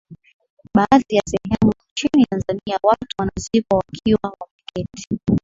Baadhi ya sehemu nchini Tanzania watu wanazikwa wakiwa wameketi